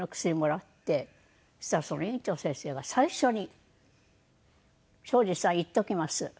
そしたらその医院長先生が最初に「東海林さん言っておきます」